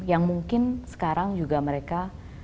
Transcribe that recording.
yang mungkin sekarang juga mereka